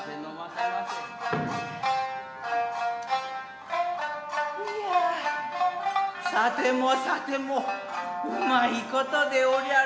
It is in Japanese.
イヤさてもさても旨いことでおりゃる。